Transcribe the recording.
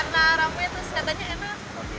karena rame terus katanya enak